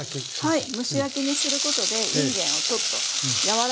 はい。